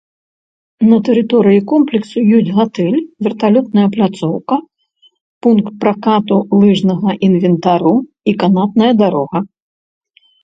На тэрыторыі комплексу ёсць гатэль, верталётная пляцоўка, пункт пракату лыжнага інвентару і канатная дарога.